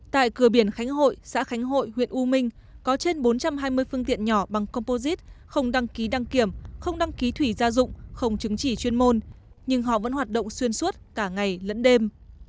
tại cửa biển khánh hội xã khánh hội huyện u minh có trên bốn trăm hai mươi phương tiện nhỏ bằng composite không đăng ký đăng kiểm không đăng ký thủy gia dụng không chứng chỉ chuyên môn nhưng họ vẫn hoạt động xuyên suốt cả ngày lẫn đêm